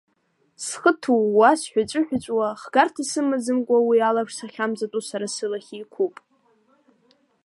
Схы ҭууа, сҳәыҵәыҳәыҵәуа, хгарҭа сымаӡамкәа уи алаԥш сахьамҵатәоу сара сылахь еиқәуп.